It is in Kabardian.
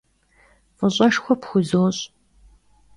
F'ış'eşşxue pxuzoş'.